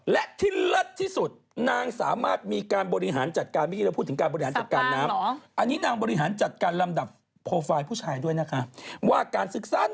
และที่ละที่สุดนางสามารถมีการบริหารจัดการ